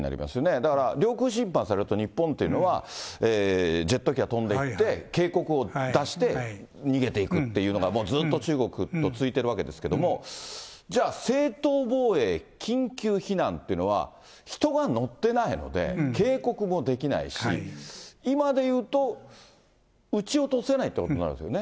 だから領空侵犯されると、日本というのは、ジェット機が飛んできて、警告を出して、逃げていくっていうのが、ずっと中国と続いてるわけですけども、じゃあ正当防衛、緊急避難っていうのは、人が乗ってないので、警告もできないし、今で言うと撃ち落とせないっていうことになるんですよね。